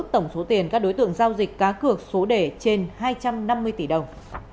tổng số tiền các đối tượng giao dịch cá cược số đề trên hai trăm năm mươi tỷ đồng